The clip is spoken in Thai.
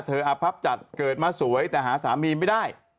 อภับจัดเกิดมาสวยแต่หาสามีไม่ได้